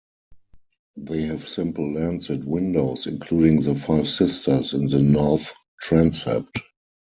They have simple lancet windows, including the "Five Sisters" in the north transept.